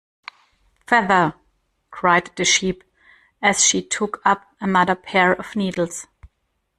‘Feather!’ cried the Sheep, as she took up another pair of needles.